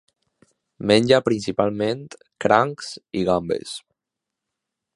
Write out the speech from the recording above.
Menja principalment crancs i gambes.